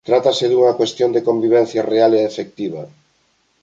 trátase dunha cuestión de convivencia real e efectiva.